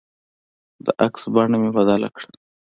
د عکس بڼه مې بدله کړه.